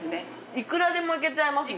いくらでもいけちゃいますね。